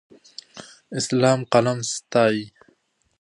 اسلام قلم ستایي.